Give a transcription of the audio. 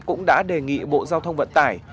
cũng đã đề nghị bộ giao thông vận tải